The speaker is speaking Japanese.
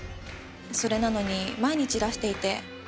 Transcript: それなのに毎日いらしていて。